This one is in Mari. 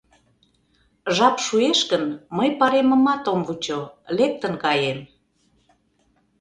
— Жап шуэш гын, мый пареммымат ом вучо, лектын каем.